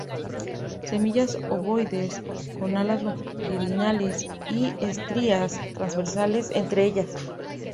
Semillas ovoides, con alas longitudinales y estrías transversales entre ellas.